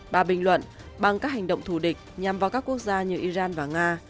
bà bình luận bằng các hành động thù địch nhằm vào các quốc gia như iran và nga